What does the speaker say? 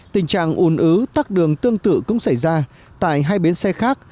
tình trạng ồn ứ tắc đường tương tự cũng xảy ra tại hai bến xe khác